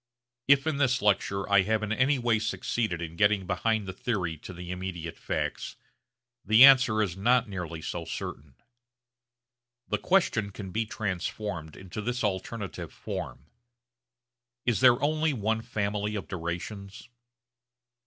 If in this lecture I have in any way succeeded in getting behind the theory to the immediate facts, the answer is not nearly so certain. The question can be transformed into this alternative form, Is there only one family of durations?